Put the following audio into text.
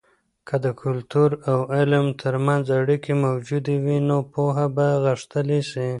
که د کلتور او علم ترمنځ اړیکې موجودې وي، نو پوهه به غښتلې سي.